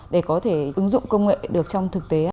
để có thể ứng dụng công nghệ được trong thực tế